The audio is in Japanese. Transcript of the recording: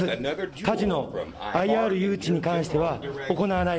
カジノ、ＩＲ誘致に関しては行わない。